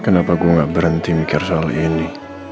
kenapa gue gak berhenti mikir soal ini